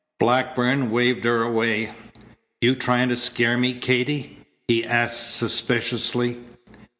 Blackburn waved her away. "You trying to scare me, Katy?" he asked suspiciously.